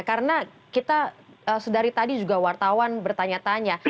karena kita sedari tadi juga wartawan bertanya tanya